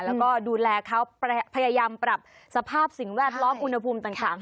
แล้วก็ดูแลเขาพยายามปรับสภาพสิ่งแวดล้อมอุณหภูมิต่าง